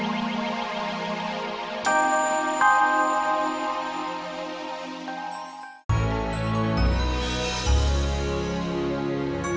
aku lagi semangat